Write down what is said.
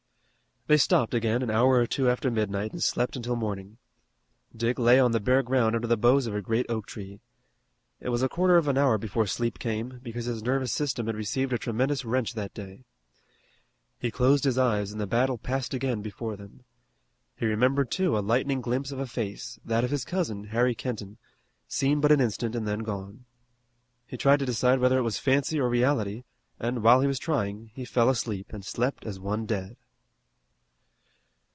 They stopped again an hour or two after midnight and slept until morning. Dick lay on the bare ground under the boughs of a great oak tree. It was a quarter of an hour before sleep came, because his nervous system had received a tremendous wrench that day. He closed his eyes and the battle passed again before them. He remembered, too, a lightning glimpse of a face, that of his cousin, Harry Kenton, seen but an instant and then gone. He tried to decide whether it was fancy or reality, and, while he was trying, he fell asleep and slept as one dead.